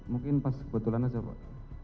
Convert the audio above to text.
mungkin pas kebetulan aja pak